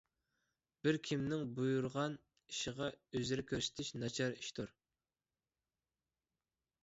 بىر كىمنىڭ بۇيرۇغان ئىشىغا ئۆزرە كۆرسىتىش ناچار ئىشتۇر